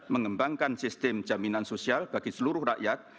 mengembangkan sistem jaminan sosial bagi seluruh rakyat